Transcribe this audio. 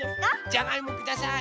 じゃがいもください。